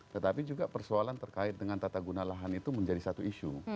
tetapi juga persoalan terkait dengan tata guna lahan itu menjadi satu isu